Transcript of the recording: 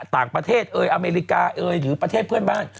ต่างประเทศเอยอเมริกาเอยหรือประเทศเพื่อนบ้าน